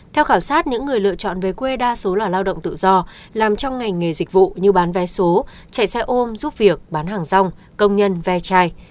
theo khảo sát những người lựa chọn về quê đa số là lao động tự do làm trong ngành nghề dịch vụ như bán vé số chạy xe ôm giúp việc bán hàng rong công nhân ve chai